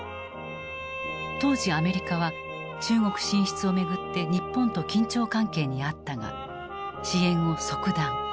当時アメリカは中国進出を巡って日本と緊張関係にあったが支援を即断。